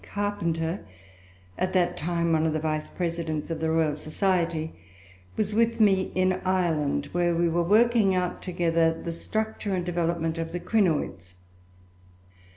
B. Carpenter, at that time one of the Vice Presidents of the Royal Society, was with me in Ireland, where we were working out together the structure and development of the Crinoids.